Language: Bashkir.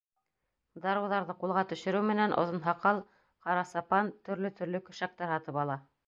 Дарыуҙарҙы ҡулға төшөрөү менән, оҙон һаҡал, ҡара сапан, төрлө-төрлө көршәктәр һатып ала.